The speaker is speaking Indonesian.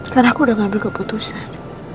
karena aku udah ngambil keputusan